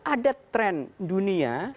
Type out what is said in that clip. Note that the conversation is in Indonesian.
ada tren dunia